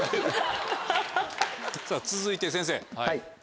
続いて先生。